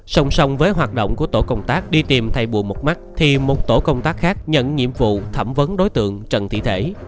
song song với hoạt động của tổ công tác đi tìm thầy bùa một mắt thì một tổ công tác khác nhận nhiệm vụ thẩm vấn đối tượng trần thị thể